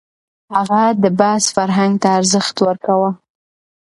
هغه د بحث فرهنګ ته ارزښت ورکاوه.